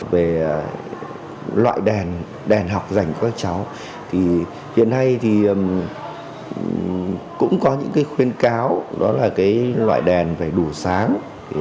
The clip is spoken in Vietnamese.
về loại đèn học dành cho các cháu thì hiện nay thì cũng có những khuyên cáo đó là cái loại đèn phải đủ sáng